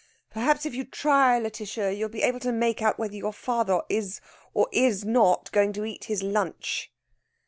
"Perhaps, if you try, Lætitia, you'll be able to make out whether your father is or is not going to eat his lunch."